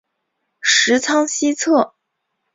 十仓西侧。